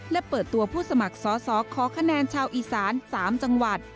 และเปิดตัวผู้สมัครสอสอขอคะแนนชาวอีสาน๓จังหวัด